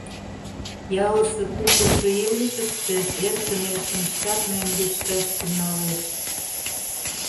Ялысе купышо илышыште эркын-эркын шкат мӧҥгешташ тӱҥалеш.